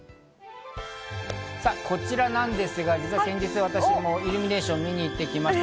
さぁこちらなんですが、実は先月、私、イルミネーションを見に行ってきました。